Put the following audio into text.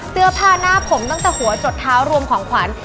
เสื้อผ้าหน้าผมตั้งแต่หัวจดเท้ารวมของขวัญ